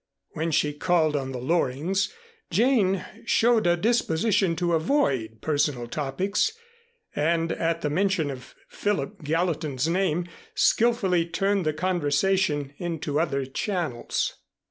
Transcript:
When she called on the Lorings, Jane showed a disposition to avoid personal topics and at the mention of Philip Gallatin's name skillfully turned the conversation into other channels.